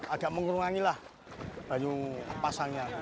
agak mengurangilah banyak pasangnya